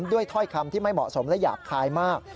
ถ้อยคำที่ไม่เหมาะสมและหยาบคายมาก